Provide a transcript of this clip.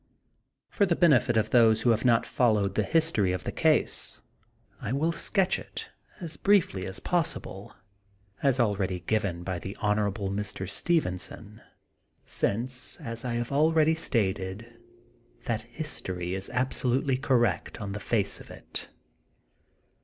For the benefit of those who have not fol lowed the history of the case, I will sketch it, as briefly as possible, as already given by the Hon. Mr. Stevenson, since, as I have already stated, that history is absolutely correct on the face of it.